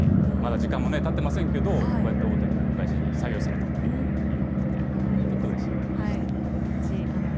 まだ時間もたってませんけど、こうやって大手航空会社に採用されたということで、ちょっとうれしい話でした。